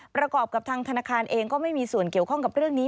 ประกอบกับทางธนาคารเองก็ไม่มีส่วนเกี่ยวข้องกับเรื่องนี้